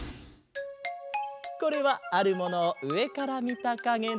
これはあるものをうえからみたかげだ。